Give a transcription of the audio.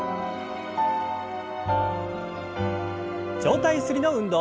上体ゆすりの運動。